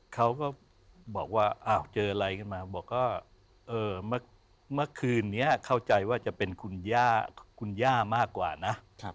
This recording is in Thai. เขาก็บอกว่าเจออะไรขึ้นมาบอกว่าเมื่อคืนนี้เข้าใจว่าจะเป็นคุณย่ามากกว่านะ